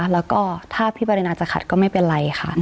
แล้วก็ถ้าพี่ปรินาจะขัดก็ไม่เป็นไรค่ะ